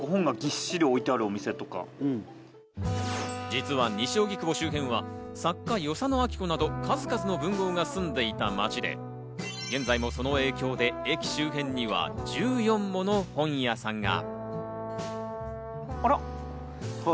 実は西荻窪周辺は作家・与謝野晶子など数々の文豪が住んでいた街で、現在もその影響で駅周辺には１４もの本屋さんが。